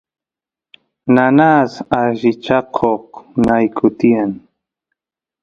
nanas allichakoq nayku tiyan